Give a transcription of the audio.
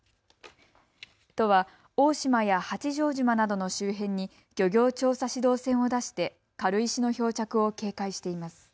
都は大島や八丈島などの周辺に漁業調査指導船を出して軽石の漂着を警戒しています。